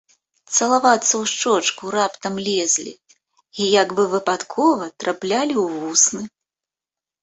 Цалавацца ў шчочку раптам лезлі і, як бы выпадкова, траплялі ў вусны.